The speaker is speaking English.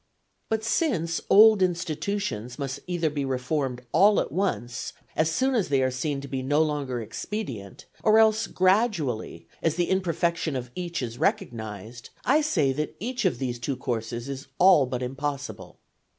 But since old institutions must either be reformed all at once, as soon as they are seen to be no longer expedient, or else gradually, as the imperfection of each is recognized, I say that each of these two courses is all but impossible.